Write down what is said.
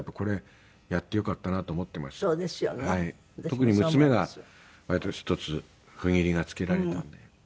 特に娘が割と一つ区切りがつけられたので。